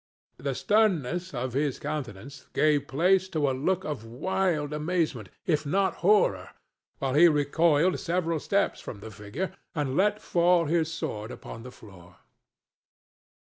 The sternness of his countenance gave place to a look of wild amazement, if not horror, while he recoiled several steps from the figure and let fall his sword upon the floor.